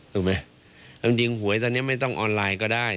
ถูกไหมเอาจริงหวยตอนนี้ไม่ต้องออนไลน์ก็ได้